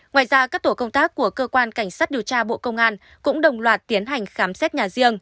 ngoài ra các tổ công tác của cơ quan cảnh sát điều tra bộ công an cũng đồng loạt tiến hành khám xét nhà riêng